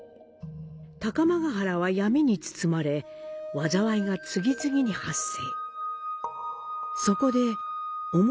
高天原は闇に包まれ、禍が次々に発生。